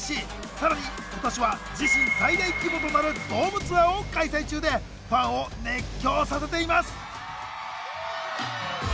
さらに今年は自身最大規模となるドームツアーを開催中でファンを熱狂させています。